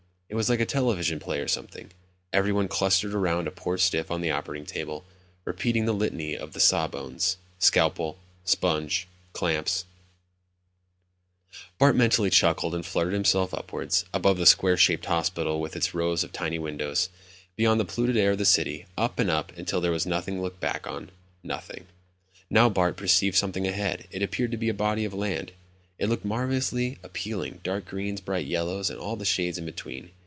It was like a television play or something; everyone clustered around a poor stiff on the operating table, repeating the litany of the saw bones. "Scalpel ... sponge ... clamps ..."Bart mentally chuckled and fluttered himself upwards; above the square shaped hospital with its rows of tiny windows. Beyond the polluted air of the city. Up and up, until there was nothing to look back on. Nothing. Now Bart perceived something ahead. It appeared to be a body of land. It looked marvelously appealing, dark greens, bright yellows, and all the shades in between.